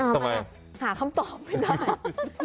ทำไมหาคำตอบไม่ได้